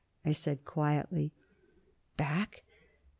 I said quietly. "Back?"